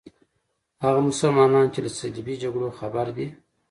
هغه مسلمانان چې له صلیبي جګړو خبر دي.